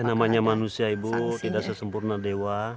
namanya manusia ibu tidak sesempurna dewa